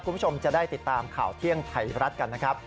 คุณผู้ชมจะได้ติดตามข่าวเที่ยงไทยรัฐกันนะครับ